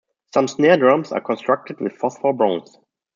Some snare drums are constructed with phosphor bronze.